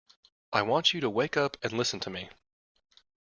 I want you to wake up and listen to me